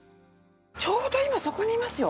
ちょうど今そこにいますよ！